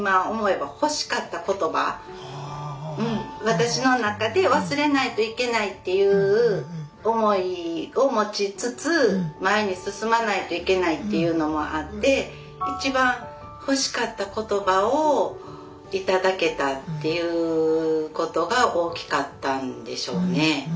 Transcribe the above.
私の中で忘れないといけないっていう思いを持ちつつ前に進まないといけないっていうのもあって一番欲しかった言葉を頂けたっていうことが大きかったんでしょうね。